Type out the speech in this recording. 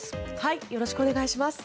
よろしくお願いします。